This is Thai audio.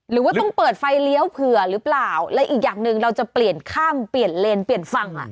หรือว่าต้องเปิดไฟเลี้ยวเผื่อหรือเปล่าและอีกอย่างหนึ่งเราจะเปลี่ยนข้ามเปลี่ยนเลนเปลี่ยนฝั่งอ่ะ